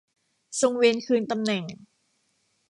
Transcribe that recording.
ทรงเวนคืนตำแหน่ง